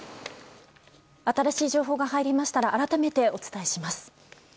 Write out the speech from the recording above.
新しい情報が入りましたら改めて、お伝えします。